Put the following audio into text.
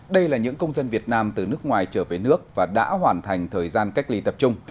đây là những công dân việt nam từ nước ngoài trở về nước và đã hoàn thành thời gian cách ly tập trung